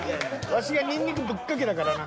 ワシがニンニクぶっかけたからな。